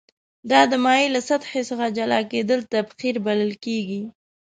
دا د مایع له سطحې څخه جلا کیدل تبخیر بلل کیږي.